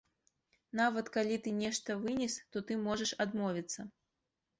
Нават калі ты нешта вынес, то ты можаш адмовіцца.